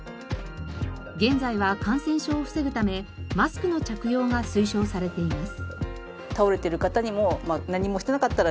現在は感染症を防ぐためマスクの着用が推奨されています。